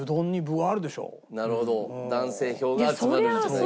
なるほど男性票が集まるんじゃないかと。